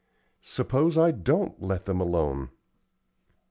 "Suppose I don't let them alone?"